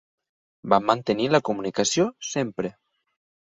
Van mantenir la comunicació sempre.